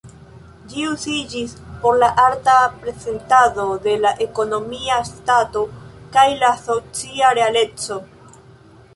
Ĝi uziĝis por la arta prezentado de la ekonomia stato kaj la socia realeco.